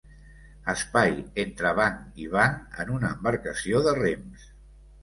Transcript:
Espai entre banc i banc en una embarcació de rems.